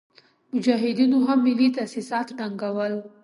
مجاهدينو هم ملي تاسيسات ړنګول.